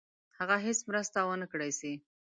هغه هیڅ مرسته ونه کړای سي.